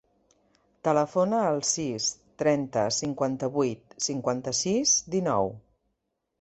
Telefona al sis, trenta, cinquanta-vuit, cinquanta-sis, dinou.